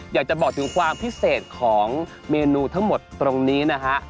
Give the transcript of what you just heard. อยากจะบอกถึงความพิเศษของเมนูทั้งหมดตรงนี้นะฮะ